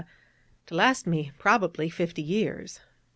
to last me, probably, fifty years.